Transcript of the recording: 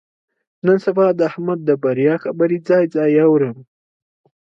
نن سبا د احمد د بریا خبرې ځای ځای اورم.